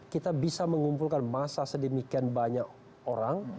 kita bisa mengumpulkan massa sedemikian banyak orang